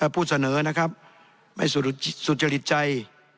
ผู้เสนอนะครับไม่สุจริตใจ